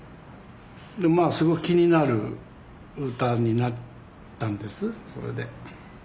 すごい気になる歌になったんですそれで。